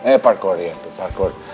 eh parkour iya parkour